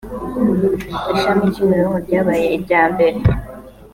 Ishami Kimironko ryabaye irya mbere